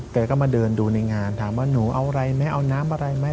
แกก็มาเดินดูในงานถามว่าหนูเอาอะไรไหมเอาน้ำอะไรไหม